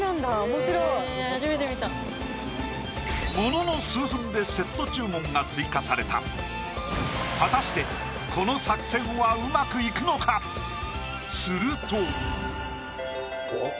面白いものの数分でセット注文が追加された果たしてこの作戦はうまくいくのか⁉するとお？